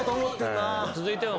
続いても。